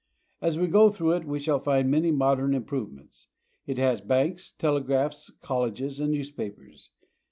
As we go through it we shall find many modern improvements. It has banks, telegraphs, colleges, and newspapers.